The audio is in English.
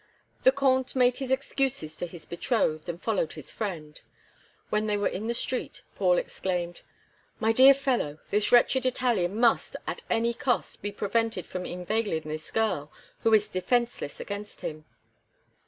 The Comte made his excuses to his betrothed, and followed his friend. When they were in the street, Paul exclaimed: "My dear fellow, this wretched Italian must, at any cost, be prevented from inveigling this girl, who is defenseless against him."